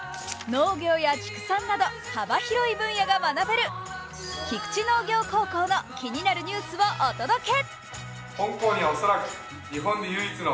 農業や畜産など、幅広い分野が学べる菊池農業高校の気になるニュースをお届け。